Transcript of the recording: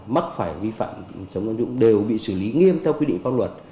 mắc phải vi phạm chống tham nhũng đều bị xử lý nghiêm theo quy định pháp luật